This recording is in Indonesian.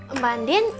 eh mbak andin